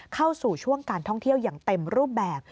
เข้าสู่ช่วงการท่องเที่ยวอย่างเต็มรูปแบบ